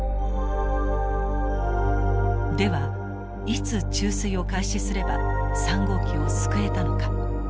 ではいつ注水を開始すれば３号機を救えたのか。